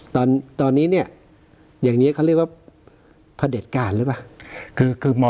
ตอนนี้เนี่ยอย่างนี้เขาเรียกว่าพระเด็จการหรือเปล่า